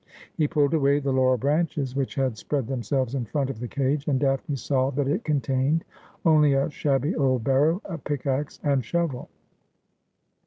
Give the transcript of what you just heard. He pulled away the laurel branches which had spread them selves in front of the cage, and Daphne saw that it contained only a shabby old barrow, a pickaxe, and shovel.